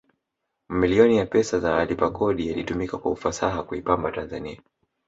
mamilioni ya pesa za walipa kodi yalitumika kwa ufasaha kuipamba tanzani